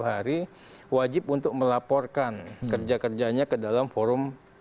jadi wajib untuk melaporkan kerja kerjanya ke dalam forum